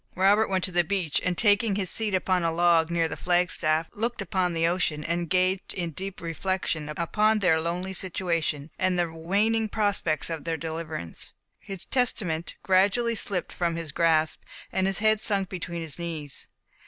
Robert went to the beach, and taking his seat upon a log, near the flag staff, looked upon the ocean, and engaged in deep reflection upon their lonely situation, and the waning prospects of their deliverance. His Testament gradually slipped from his grasp, and his head sunk between his knees.